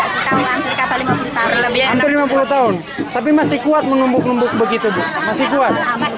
anter lima puluh tahun tapi masih kuat menumbuk numbuk begitu bu masih kuat